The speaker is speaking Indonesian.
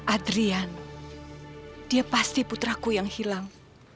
adrian dia pasti putraku yang hilang